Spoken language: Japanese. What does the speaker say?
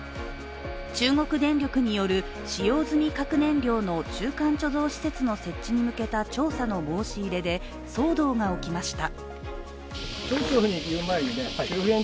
中国電力による、使用済み核燃料の中間貯蔵施設の設置に向けた調査の申し入れで騒動が起きました。